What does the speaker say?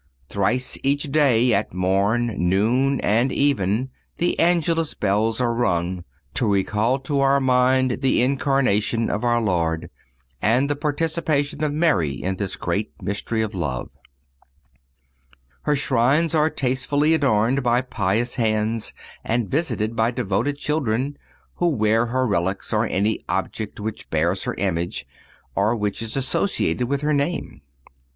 Thrice each day—at morn, noon and even—the Angelus bells are rung, to recall to our mind the Incarnation of our Lord, and the participation of Mary in this great mystery of love. Her shrines are tastefully adorned by pious hands and visited by devoted children, who wear her relics or any object which bears her image, or which is associated with her name.